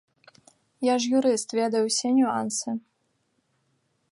Я ж юрыст, ведаю усе нюансы.